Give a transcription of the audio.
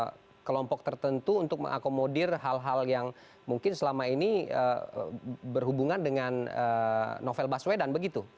apakah itu akan menjadi hal tertentu untuk mengakomodir hal hal yang mungkin selama ini berhubungan dengan novel baswedan